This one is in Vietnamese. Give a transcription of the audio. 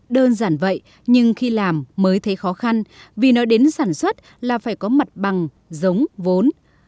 đơn giản vậy nhưng khi làm mới thấy khó khăn vì nói đến sản xuất là phải có mặt bằng giống vốn